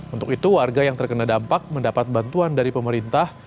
untuk itu warga yang terkena dampak mendapat bantuan dari pemerintah